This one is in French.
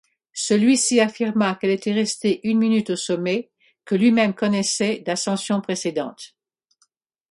Celui-ci affirma qu'elle était restée une minute au sommet, que lui-même connaissait d'ascensions précédentes.